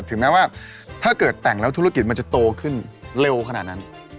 ถึงแม้ว่าถ้าเกิดแต่งแล้วธุรกิจมันจะโตขึ้นเร็วขนาดนั้น